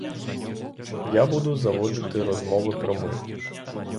Я буду заводити розмови про мир.